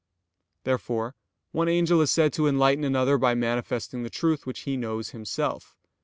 Therefore one angel is said to enlighten another by manifesting the truth which he knows himself.